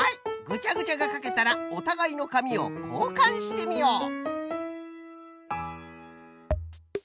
ぐちゃぐちゃがかけたらおたがいのかみをこうかんしてみよう。